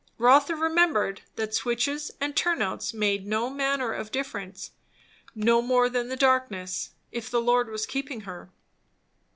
Rotha remembered that switches and turnouts made no manner of difference, no more than the darkness, if the Lord was keeping her.